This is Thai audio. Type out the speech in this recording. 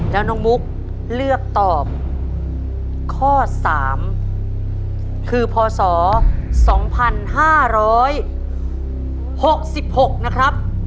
แล้วน้องมุกเลือกตอบข้อ๓คือพศ๒๕๖๖นะครับ